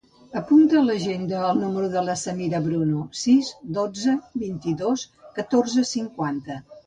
Apunta a l'agenda el número de la Samira Bruno: sis, dotze, vint-i-dos, catorze, cinquanta.